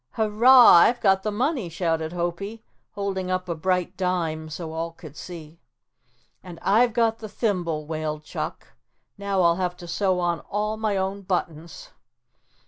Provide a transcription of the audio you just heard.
"Hurrah, I've got the money," shouted Hopie, holding up a bright dime so all could see. "And I've got the thimble," wailed Chuck. "Now I'll have to sew on all my own buttons."